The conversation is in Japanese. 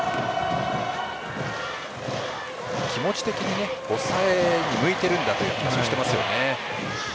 気持ち的に抑えに向いているんだという話をされています。